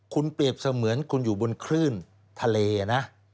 คุณเปรียบเสมือนคุณอยู่บนคลื่นทะเลนะ